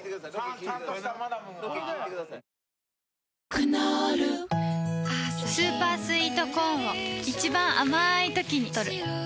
クノールスーパースイートコーンを一番あまいときにとる